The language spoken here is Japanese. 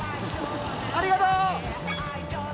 ありがとう！